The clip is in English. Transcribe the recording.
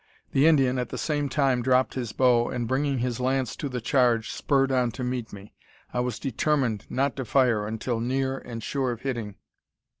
The Indian, at the same time, dropped his bow, and, bringing his lance to the charge, spurred on to meet me. I was determined not to fire until near and sure of hitting.